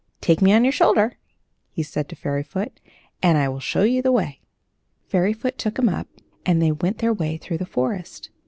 "Take me on your shoulder," he said to Fairyfoot, "and I will show you the way." Fairyfoot took him up, and they went their way through the forest.